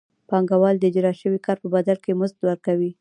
پانګوال د اجراء شوي کار په بدل کې مزد ورکوي